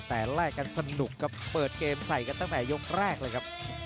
แต่แลกกันสนุกครับเปิดเกมใส่กันตั้งแต่ยกแรกเลยครับ